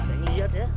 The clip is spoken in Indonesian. ada yang liat ya